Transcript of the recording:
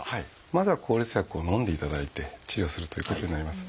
まずは抗ウイルス薬をのんでいただいて治療するということになります。